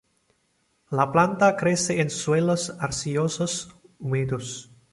La planta crece en suelos arcillosos húmedos.